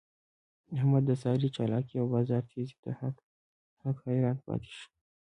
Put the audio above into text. احمد د سارې چالاکی او بازار تېزۍ ته حق حیران پاتې شو.